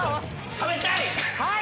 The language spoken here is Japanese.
食べたい！